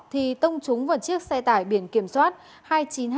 thì tông trúng vào chiếc xe tải biển kiểm soát hai mươi chín h bốn nghìn hai trăm bảy mươi ba